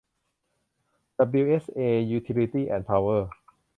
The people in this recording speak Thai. ดับบลิวเอชเอ ยูทิลิตี้ส์ แอนด์ พาวเวอร์